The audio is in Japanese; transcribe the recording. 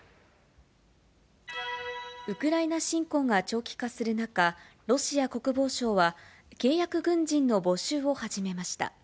ウクライナ侵攻が長期化する中、ロシア国防省は、契約軍人の募集を始めました。